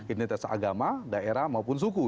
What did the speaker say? identitas agama daerah maupun suku